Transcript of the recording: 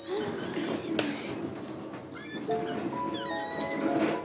失礼します。